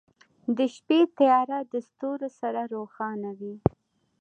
• د شپې تیاره د ستورو سره روښانه وي.